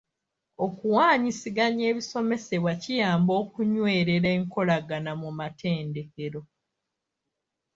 Okuwaanyisiganya ebisomesebwa kiyamba okunywerera enkolagana mu matendekero.